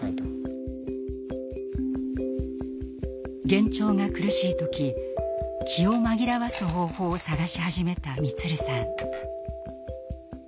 幻聴が苦しい時気を紛らわす方法を探し始めた満さん。